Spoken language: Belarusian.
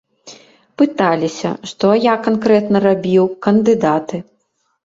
Пыталіся, што я канкрэтна рабіў, кандыдаты.